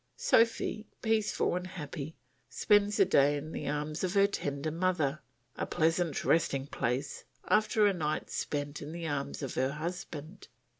Sophy, peaceful and happy, spends the day in the arms of her tender mother; a pleasant resting place, after a night spent in the arms of her husband.